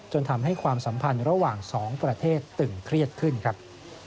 ทำให้ความสัมพันธ์ระหว่างสองประเทศตึงเครียดขึ้นครับ